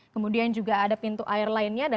kemudian juga ada pintu air lainnya